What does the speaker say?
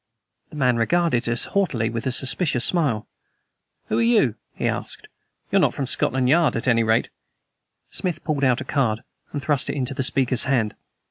The man regarded us haughtily with a suspicious smile. "Who are you?" he asked. "You're not from Scotland Yard, at any rate!" Smith pulled out a card and thrust it into the speaker's hand.